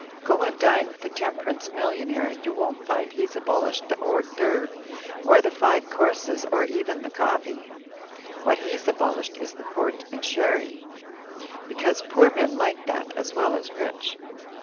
Go and dine with a temperance million aire and you won't find he's abolished the hors d'ceuvres or the five courses or even the coffee. What he's abolished is the port and sherry, because poor men like that as well as rich.